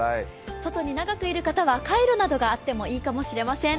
外に長くいる方はカイロなどがあってもいいかもしれません。